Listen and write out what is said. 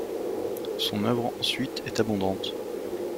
Son œuvre ensuite est abondante.